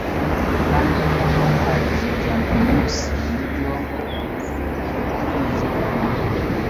kandi ibibahagije bya buri munsi ni byo yakomeje kubaha